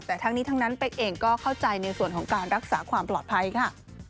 แต่ทั้งนี้ทั้งนั้นเป๊กเองก็เข้าใจในส่วนของการรักษาความปลอดภัยค่ะ